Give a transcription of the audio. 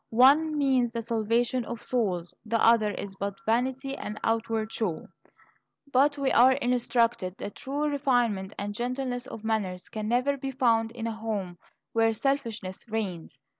One means the salvation of souls; the other is but vanity and outward show. But we are instructed that "true refinement and gentleness of manners can never be found in a home where selfishness reigns."